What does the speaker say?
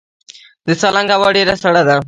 د سالنګ هوا ډیره سړه ده